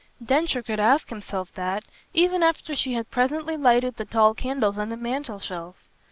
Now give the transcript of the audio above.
Densher could ask himself that even after she had presently lighted the tall candles on the mantel shelf.